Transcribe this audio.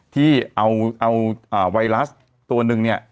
ที่เอาไวรัสตัวนึง